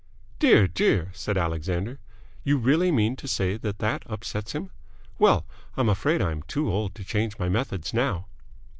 "Dear, dear!" said Alexander. "You really mean to say that that upsets him? Well, I'm afraid I am too old to change my methods now."